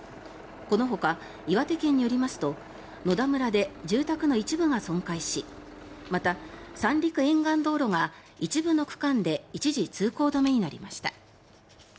このほか岩手県によりますと野田村で住宅の一部が損壊しまた、三陸沿岸道路が一部の区間で一時、通行止めになりました。